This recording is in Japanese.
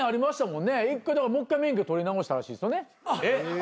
もう一回免許取り直したらしいですよね。